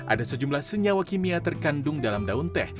ada sejumlah senyawa kimia terkandung dalam daun teh